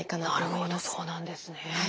なるほどそうなんですね。